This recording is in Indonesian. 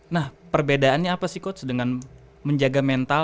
nah perbedaannya apa sih coach dengan menjaga mental